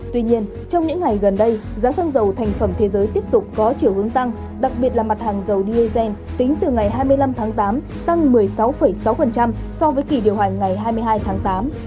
tuy nhiên trong những ngày gần đây giá xăng dầu thành phẩm thế giới tiếp tục có chiều hướng tăng đặc biệt là mặt hàng dầu diesel tính từ ngày hai mươi năm tháng tám tăng một mươi sáu sáu so với kỳ điều hành ngày hai mươi hai tháng tám